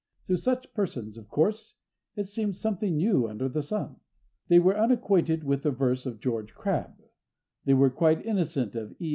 To such persons, of course, it seemed something new under the sun. They were unacquainted with the verse of George Crabbe; they were quite innocent of E.